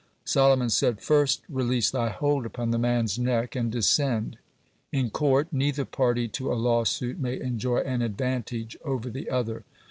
'" Solomon said: "First release thy hold upon the man's neck and descend; in court neither party to a lawsuit may enjoy an advantage over the other."